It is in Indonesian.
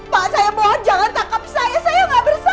pak saya mohon jangan tangkap saya saya nggak bersalah